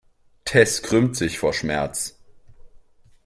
Tess krümmt sich vor Schmerzen.